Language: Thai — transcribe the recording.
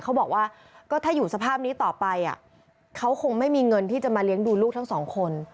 เขาบอกว่าก็ถ้าอยู่สภาพนี้ต่อไปเขาคงไม่มีเงินที่จะมาเลี้ยงดูลูกทั้งสองคน